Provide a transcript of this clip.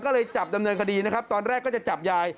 ก็เลยจับดำเนินคดีนะครับตอนแรกก็จะจับยาย